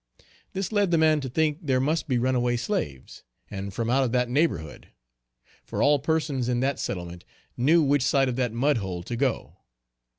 This led the man to think there must be runaway slaves, and from out of that neighborhood; for all persons in that settlement knew which side of that mud hole to go.